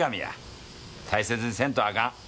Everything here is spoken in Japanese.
大切にせんとあかん。